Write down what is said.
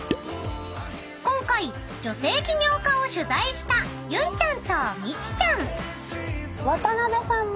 ［今回女性起業家を取材したゆんちゃんとミチちゃん］起業されて。